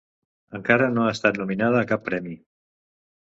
Encara no ha estat nominada a cap premi.